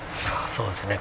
そうですね。